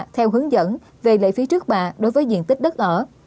theo hướng dẫn về lệ phí trước bạ đối với diện tích đất ở